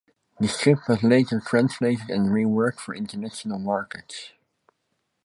The strip was later translated and reworked for international markets.